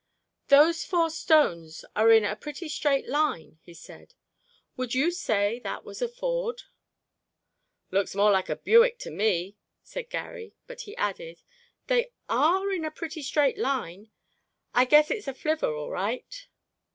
"Those four stones are in a pretty straight line," he said. "Would you say that was a ford?" "Looks more like a Buick to me," said Garry, but he added, "They are in a pretty straight line. I guess it's a flivver, all right."